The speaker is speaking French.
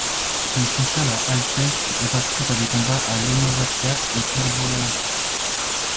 Il s'installe à Altchevsk et participe à des combats à Lomovatka et Pervomaïsk.